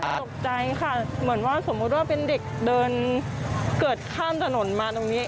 ตกใจค่ะเหมือนว่าสมมุติว่าเป็นเด็กเดินเกิดข้ามถนนมาตรงนี้